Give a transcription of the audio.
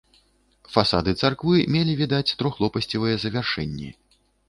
Фасады царквы мелі, відаць, трохлопасцевыя завяршэнні.